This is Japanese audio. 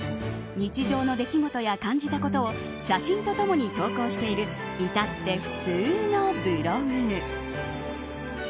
日常の出来事や感じたことを写真と共に投稿している至って普通のブログ。